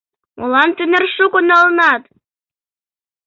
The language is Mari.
Молан тынар шуко налынат?